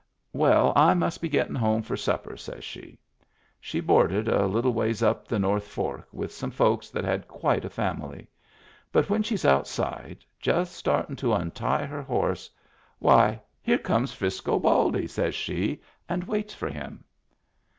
"Well, I must be getting home for supper," says she. She boarded a little ways up the North Fork with some folks that had quite a family. But when she's outside, just startin' to untie her horse, "Why, here comes Frisco Baldy 1" says she, and waits for him.